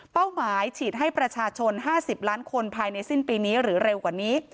หมายฉีดให้ประชาชน๕๐ล้านคนภายในสิ้นปีนี้หรือเร็วกว่านี้